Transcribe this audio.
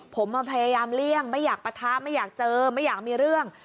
ผมพยายามเลี่ยงไม่อยากปะทะไม่อยากเจอไม่อยากมีเรื่อง